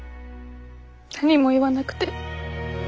何も言わなくて。